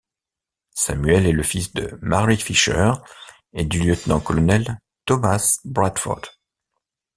Samuel est le fils de Mary Fisher et du lieutenant-colonel Thomas Bradford.